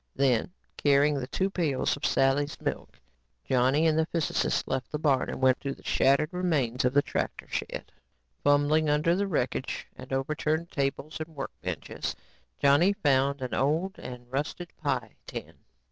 Then carrying the two pails of Sally's milk, Johnny and the physicist left the barn and went to the shattered remains of the tractor shed. Fumbling under wrecked and overturned tables and workbenches, Johnny found an old and rusted pie tin.